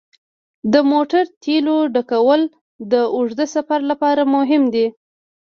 د موټر تیلو ډکول د اوږده سفر لپاره مهم دي.